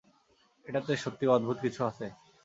এটাতে সত্যিই অদ্ভুত কিছু আছে।